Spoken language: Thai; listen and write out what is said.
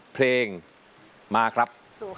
เพลงมาครับ